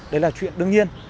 đấy là chuyện đương nhiên